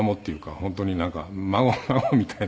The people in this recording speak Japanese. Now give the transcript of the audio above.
本当になんか孫みたいな。